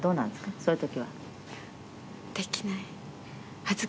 そういう時は。